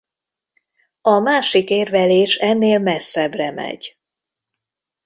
A másik érvelés ennél messzebbre megy.